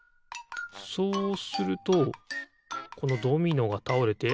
そうするとこのドミノがたおれて。